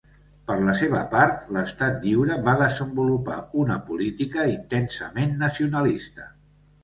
Per la seva part, l'Estat Lliure va desenvolupar una política intensament nacionalista.